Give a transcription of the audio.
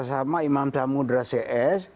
sama imam zahamudra cs